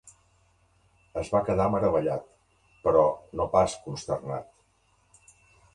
Es va quedar meravellat, però no pas consternat.